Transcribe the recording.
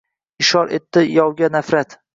Ishor etdi yovga nafrat.